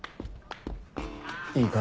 いいか？